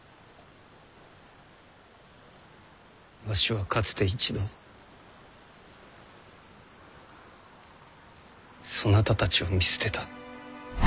わしはかつて一度そなたたちを見捨てた。